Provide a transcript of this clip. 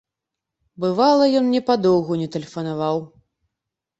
Бывала, ён мне падоўгу не тэлефанаваў.